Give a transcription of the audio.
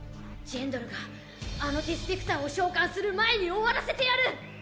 ジェンドルがあのディスペクターを召喚する前に終わらせてやる！